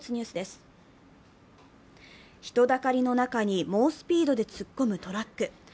人だかりの中に猛スピードで突っ込むトラック。